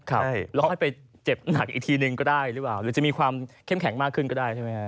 แล้วให้ไปเจ็บหนักอีกทีนึงก็ได้หรือเปล่าหรือจะมีความเข้มแข็งมากขึ้นก็ได้ใช่ไหมฮะ